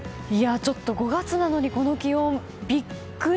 ちょっと５月なのにこの気温ビックリ！